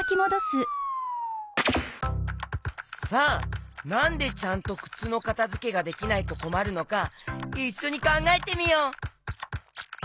さあなんでちゃんとくつのかたづけができないとこまるのかいっしょにかんがえてみよう！